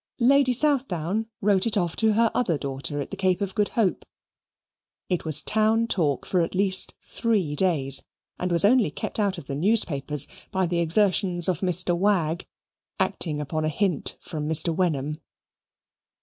Lady Southdown wrote it off to her other daughter at the Cape of Good Hope. It was town talk for at least three days, and was only kept out of the newspapers by the exertions of Mr. Wagg, acting upon a hint from Mr. Wenham.